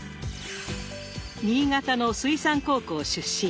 新潟の水産高校出身。